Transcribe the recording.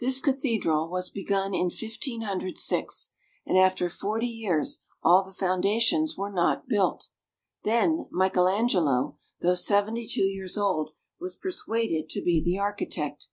This cathedral was begun in 1506, and after forty years all the foundations were not built. Then Michael Angelo, though seventy two years old, was persuaded to be the architect.